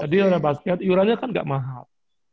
jadi yuran basket yurannya kan nggak mahal